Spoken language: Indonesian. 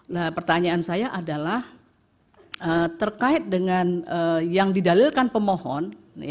nah pertanyaan saya adalah terkait dengan yang didalilkan pemohon